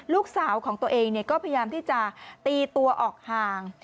ลูกสาวของตัวเองก็พยายามที่จะตีตัวออกห่าง